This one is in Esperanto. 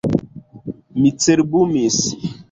Mi cerbumis.